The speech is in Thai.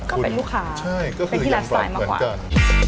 ก็เป็นลูกค้าเป็นที่และสไตล์เหมือนกัน